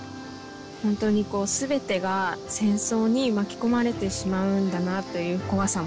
本当にこう全てが戦争に巻き込まれてしまうんだなという怖さもありました。